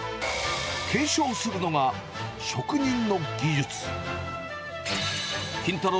継承するのが、職人の技術。